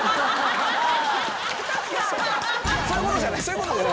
そういうことじゃない？